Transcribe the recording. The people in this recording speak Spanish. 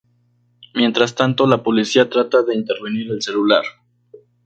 Mientras tanto la policía trata de intervenir el celular.